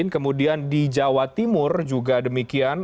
kemudian di jawa timur juga demikian